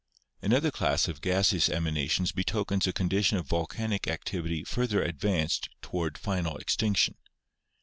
Another class of gaseous emanations betokens a condi tion of volcanic activity further advanced toward final extinction.